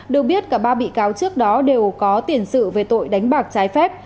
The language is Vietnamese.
được biết cả ba bị cáo trước đó đều có tiền sự về tội đánh bạc trái phép